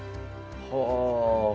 はあ！